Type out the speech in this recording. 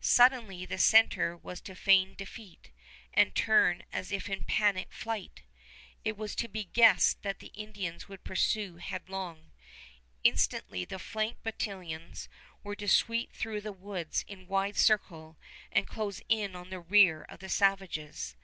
Suddenly the center was to feign defeat and turn as if in panic flight. It was to be guessed that the Indians would pursue headlong. Instantly the flank battalions were to sweep through the woods in wide circle and close in on the rear of the savages.